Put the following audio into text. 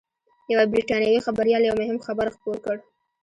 یوه بریټانوي خبریال یو مهم خبر خپور کړ